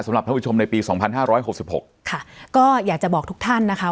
ท่านผู้ชมในปีสองพันห้าร้อยหกสิบหกค่ะก็อยากจะบอกทุกท่านนะคะ